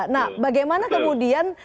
nah bagaimana kemudian